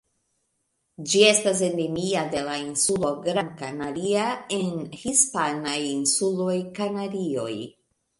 Ĝi estas endemia de la insulo Gran Canaria en hispanaj insuloj Kanarioj.